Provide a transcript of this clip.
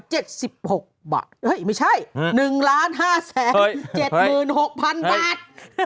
เฮ้ยไม่ใช่๑๕๗๖๐๐๐บาท